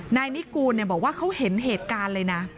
นายนิกูลบอกว่าเขาเห็นเหตุการณ์เลยนะ